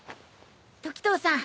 時透さん